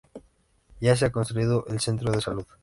Ya se ha construido el centro de salud.